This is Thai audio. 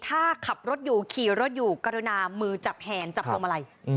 ถ้าขับรถอยู่ขี่รถอยู่กรุณามือจับแทนจับพวงมาลัย